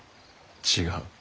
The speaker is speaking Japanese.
違う。